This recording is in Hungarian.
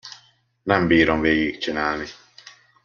Nem bírom végigcsinálni.